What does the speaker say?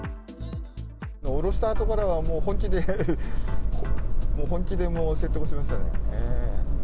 下ろしたあとからはもう、本気で、本気でもう説得しましたね。